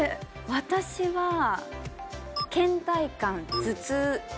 私は倦怠感頭痛